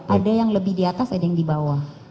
ada yang lebih di atas ada yang di bawah